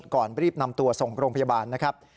ก่อนรีบนำตัวส่งโรงพยาบาลนะครับ